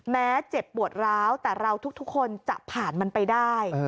เจ็บปวดร้าวแต่เราทุกคนจะผ่านมันไปได้